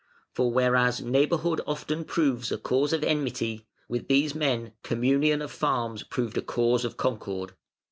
For whereas neighbourhood often proves a cause of enmity, with these men communion of farms proved a cause of concord.